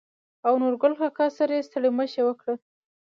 او نورګل کاکا سره يې ستړي مشې وکړه.